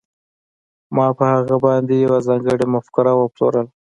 ما په هغه باندې یوه ځانګړې مفکوره وپلورله